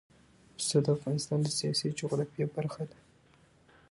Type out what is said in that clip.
پسه د افغانستان د سیاسي جغرافیه برخه ده.